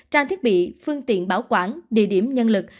trang thiết bị phương tiện bảo quản địa điểm nhân lực